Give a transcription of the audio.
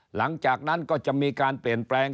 หลังจากนั้นก็จะมีการเปลี่ยนแปลง